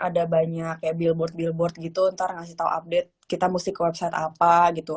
ada banyak kayak billboard billboard gitu ntar ngasih tau update kita mesti ke website apa gitu